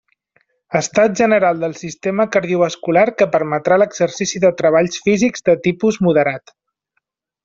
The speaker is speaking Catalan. Estat general del sistema cardiovascular que permeta l'exercici de treballs físics de tipus moderat.